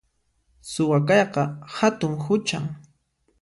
Suwa kayqa hatun huchan